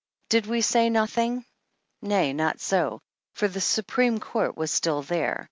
Did we say nothing ? Nay, not so ; for the Supreme Court was still there.